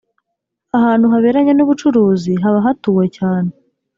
ahantu haberanye n ‘ubucuruzi habahatuwe cyane.